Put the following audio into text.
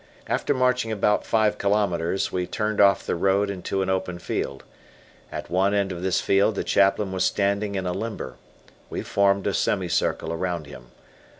After marching about five kilos, we turned off the road into an open field. At one end of this field the Chaplain was standing in a limber. We formed a semi circle around him.